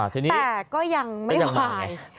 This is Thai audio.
แต่ก็ยังไม่วาย